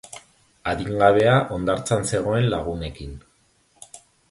Adingabea hondartzan zegoen lagunekin.